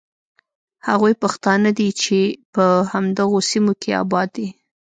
هغوی پښتانه دي چې په همدغو سیمو کې آباد دي.